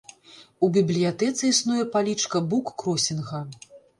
У бібліятэцы існуе палічка буккросінга.